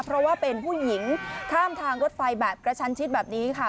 เพราะว่าเป็นผู้หญิงข้ามทางรถไฟแบบกระชันชิดแบบนี้ค่ะ